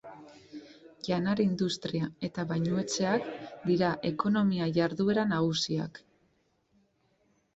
Janari-industria eta bainuetxeak dira ekonomia-jarduera nagusiak.